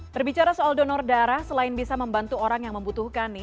berbicara soal donor darah selain bisa membantu orang yang membutuhkan nih